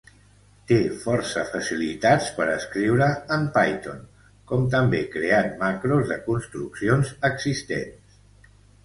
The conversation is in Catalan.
Té força facilitats per escriure en Python, com també creant macros de construccions existents.